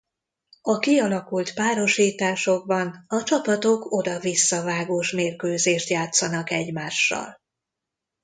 A kialakult párosításokban a csapatok oda-visszavágós mérkőzést játszanak egymással.